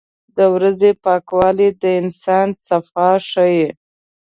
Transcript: • د ورځې پاکوالی د انسان صفا ښيي.